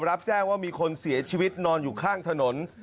รับแจ้งว่ามีคนเสียชีวิตนอนอยู่ข้างถนน